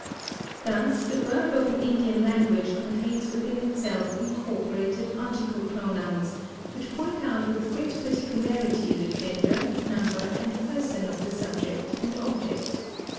Thus the verb of an Indian language contains within itself incorporated article pronouns which point out with great particularity the gender, number, and person of the subject and object.